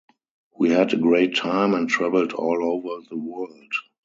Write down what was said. We had a great time and traveled all over the world.